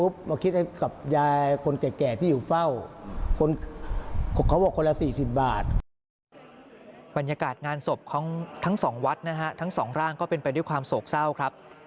บรรยากาศงานศพของทั้งสองวัดนะฮะทั้งสองร่างก็เป็นไปด้วยความโศกเศร้าครับ